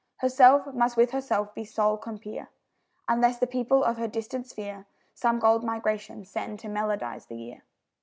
Herself must with herself be sole compeer, Unless the people of her distant sphere Some gold migration send to melodise the year.